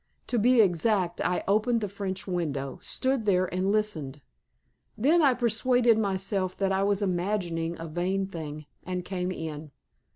To be exact, I opened the French window, stood there, and listened. Then I persuaded myself that I was imagining a vain thing, and came in."